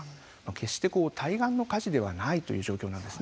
決して対岸の火事ではない状況です。